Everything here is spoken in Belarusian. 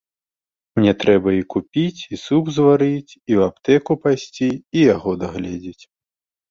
Мне трэба і купіць, і суп зварыць, і ў аптэку пайсці, і яго дагледзець.